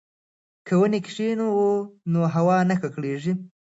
که ونې کښېنوو نو هوا نه ککړیږي.